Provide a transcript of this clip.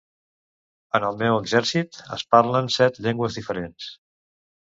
En el meu exèrcit es parlen set llengües diferents.